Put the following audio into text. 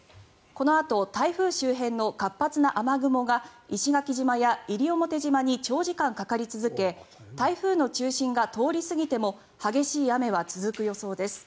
このあと台風周辺の活発な雨雲が石垣島や西表島に長時間かかり続け台風の中心が通り過ぎても激しい雨は続く予想です。